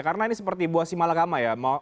karena ini seperti buasimala gama ya